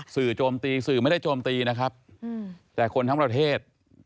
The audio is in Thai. โจมตีสื่อไม่ได้โจมตีนะครับแต่คนทั้งประเทศ